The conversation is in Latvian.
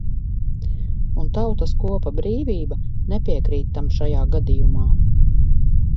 "Un Tautas kopa "Brīvība" nepiekrīt tam šajā gadījumā."